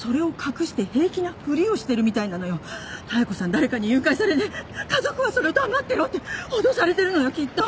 誰かに誘拐されて家族はそれを黙ってろって脅されてるのよきっと。